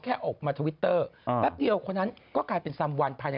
แค่ออกมาทวิตเตอร์แป๊บเดียวคนนั้นก็กลายเป็นซำวันภายใน